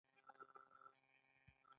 دوی په هند باندې له حملې منصرفې شوې.